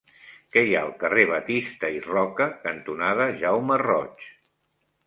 Què hi ha al carrer Batista i Roca cantonada Jaume Roig?